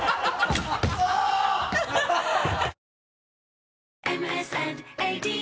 ハハハ